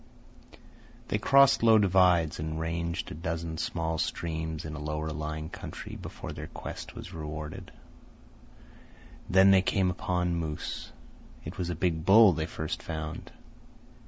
They crossed low divides and ranged a dozen small streams in a lower lying country before their quest was rewarded. Then they came upon moose. It was a big bull they first found.